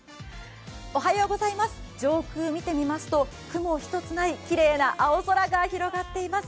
上空見てみますと雲一つないきれいな青空が広がっています。